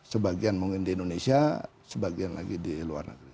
sebagian mungkin di indonesia sebagian lagi di luar negeri